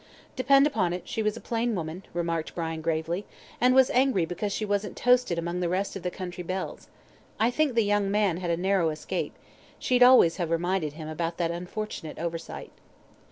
"Depend upon it, she was a plain woman," remarked Brian, gravely, "and was angry because she wasn't toasted among the rest of the country belles. I think the young man had a narrow escape she'd always have reminded him about that unfortunate oversight."